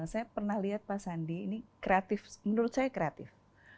saya pernah lihat pak sandi ini kreatif menurut saya kreatif